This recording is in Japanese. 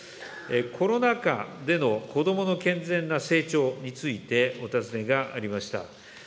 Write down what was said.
コロナ禍での子どもの健全な成長についてお尋ねがありました。